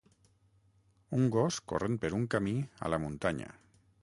Un gos corrent per un camí a la muntanya.